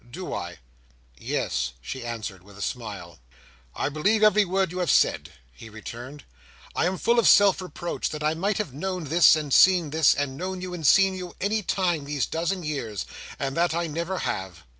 Do I?" "Yes," she answered with a smile. "I believe every word you have said," he returned. "I am full of self reproach that I might have known this and seen this, and known you and seen you, any time these dozen years, and that I never have.